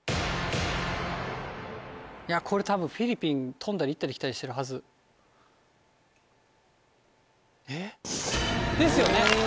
これ多分フィリピン飛んだり行ったり来たりしてるはず。えっ。ですよね！